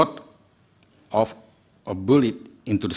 atau diperoleh oleh pemerintah